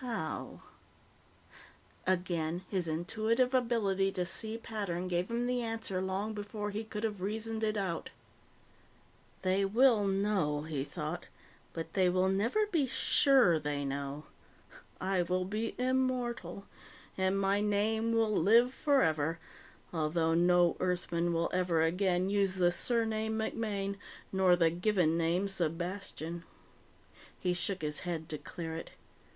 How? Again, his intuitive ability to see pattern gave him the answer long before he could have reasoned it out. They will know, he thought, _but they will never be sure they know. I will be immortal. And my name will live forever, although no Earthman will ever again use the surname MacMaine or the given name Sebastian_. He shook his head to clear it.